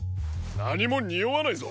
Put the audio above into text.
なにもにおわないぞ。